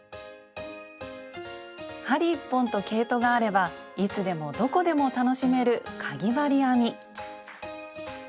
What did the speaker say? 針１本と毛糸があればいつでもどこでも楽しめる「かぎ針編み」。